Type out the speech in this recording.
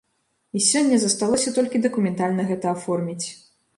І сёння засталося толькі дакументальна гэта аформіць.